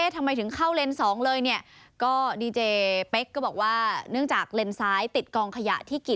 ทำไมถึงเข้าเลนซ์๒เลย